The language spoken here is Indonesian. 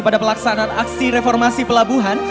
pada pelaksanaan aksi reformasi pelabuhan